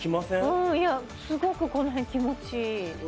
うんいやすごくこの辺気持ちいい。